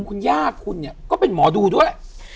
คุณย่าคุณเนี่ยก็เป็นหมอดูด้วย